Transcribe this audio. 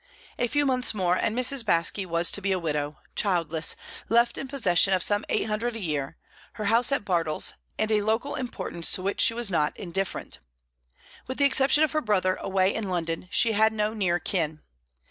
A few months more and Mrs. Baske was to be a widow, childless, left in possession of some eight hundred a year, her house at Bartles, and a local importance to which she was not indifferent. With the exception of her brother, away in London, she had no near kin.